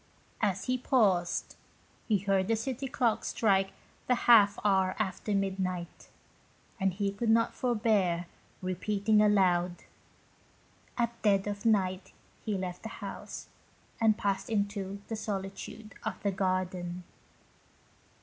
As he BONE TO Hia BONE. paused, he heard the city clocks strike the half hour after midnight, and he could not forbear repeating aloud "At dead of night he left the house, and passed into the solitude of the garden."